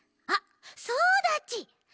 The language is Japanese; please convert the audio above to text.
あっそうだち！